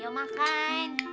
ayo makan makan yang penuh dong